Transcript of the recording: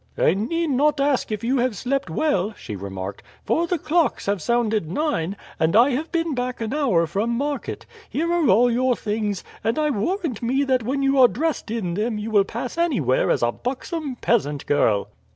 "I need not ask if you have slept well," she remarked "for the clocks have sounded nine, and I have been back an hour from market. Here are all your things, and I warrant me that when you are dressed in them you will pass anywhere as a buxom peasant girl."